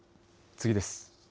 次です。